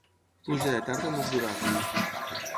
Pluja de tarda no és durable.